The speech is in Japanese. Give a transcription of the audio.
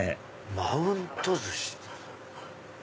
マウント寿司？